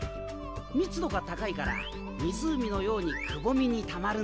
密度が高いから湖のようにくぼみにたまるんだ。